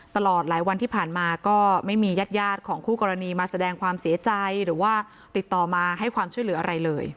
ตลอดหลายวันที่ผ่านมาก็ไม่มีญาติของคู่กรณีมาแสดงความเสียใจหรือว่าติดต่อมาให้ความช่วยเหลืออะไรเลย